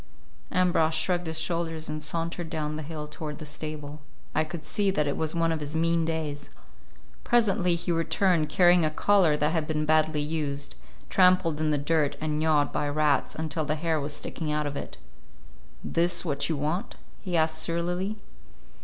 Ambrosch shrugged his shoulders and sauntered down the hill toward the stable. I could see that it was one of his mean days. Presently he returned, carrying a collar that had been badly used—trampled in the dirt and gnawed by rats until the hair was sticking out of it. "This what you want?" he asked surlily.